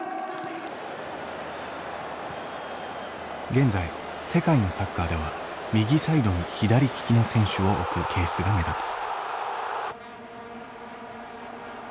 現在世界のサッカーでは右サイドに左利きの選手を置くケースが目立つ。